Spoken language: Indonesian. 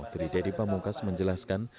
dr dedy pamungkas menjelaskan